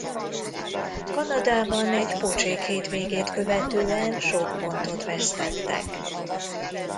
Kanadában egy pocsék hétvégét követően sok pontot vesztettek.